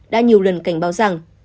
đã nhiều lần cảnh báo rằng